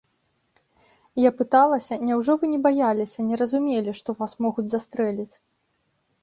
Я пыталася, няўжо вы не баяліся, не разумелі, што вас могуць застрэліць?